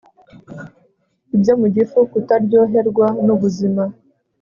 i byo mugifu kutaryoherwa nu buzima